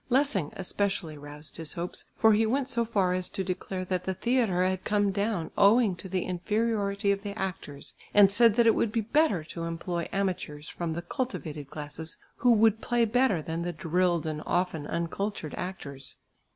Lessing especially roused his hopes, for he went so far as to declare that the theatre had come down owing to the inferiority of the actors, and said that it would be better to employ amateurs from the cultivated classes who would play better than the drilled and often uncultured actors.